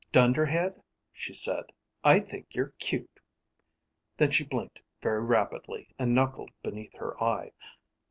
"Dunderhead," she said, "I think you're cute." Then she blinked very rapidly and knuckled beneath her eye.